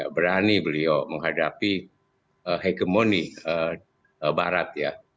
berani beliau menghadapi hegemoni barat ya